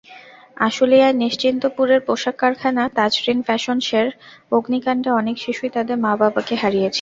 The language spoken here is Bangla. আশুলিয়ার নিশ্চিন্তপুরের পোশাক কারখানা তাজরীন ফ্যাশনসের অগ্নিকাণ্ডে অনেক শিশুই তাদের মা-বাবাকে হারিয়েছে।